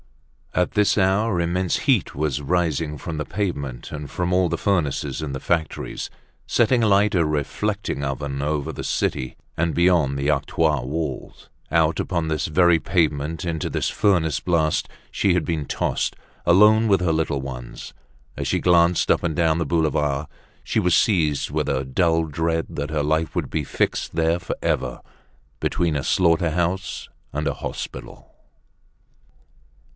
At this hour immense heat was rising from the pavement and from all the furnaces in the factories, setting alight a reflecting oven over the city and beyond the octroi wall. Out upon this very pavement, into this furnace blast, she had been tossed, alone with her little ones. As she glanced up and down the boulevard, she was seized with a dull dread that her life would be fixed there forever, between a slaughter house and a hospital.